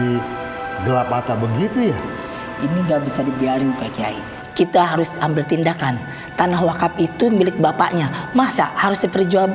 ini nggak bisa dibiarkan kita harus ambil tindakan tanah wakaf itu milik bapaknya masa harus diperjual